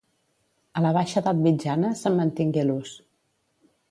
A la baixa edat mitjana, se'n mantingué l'ús.